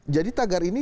jadi tagar ini